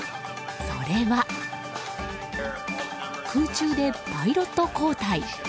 それは、空中でパイロット交代。